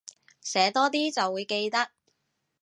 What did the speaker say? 寫多啲就會記得